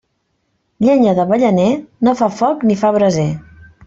Llenya d'avellaner, no fa foc ni fa braser.